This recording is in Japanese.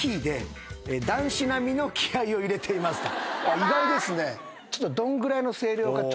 意外ですね。